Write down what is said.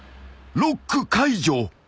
［ロック解除］